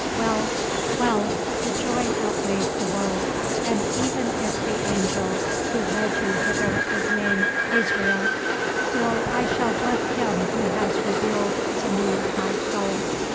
Well, well, the joy outweighs the woe, and even if the angel who led you hither is named Azrael, still I shall bless him who has revealed to me my soul.